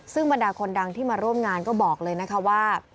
ซึ่งบรรดาคนดังที่มาร่วมงานก็บอกเลยนะคะว่า